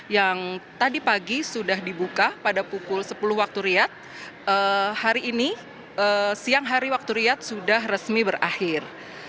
yang tadi pagi sudah dibuka pada pukul sepuluh waktu riyad hari ini siang hari waktu riyad sudah resmi berakhir